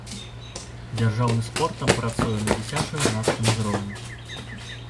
Дзяржаўны спорт там працуе на дзіцяча-юнацкім узроўні.